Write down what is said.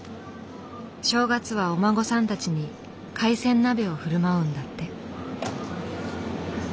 正月はお孫さんたちに海鮮鍋を振る舞うんだって。